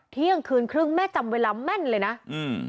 เที่ยงคืนครึ่งแม่จำเวลาแม่นเลยนะอืม